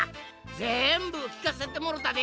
ぜんぶきかせてもろたで。